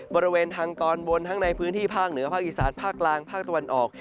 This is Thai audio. บริเวณทางตอนบนทั้งในพื้นที่ภาคเหนือภาคอีสานภาคกลางภาคตะวันออก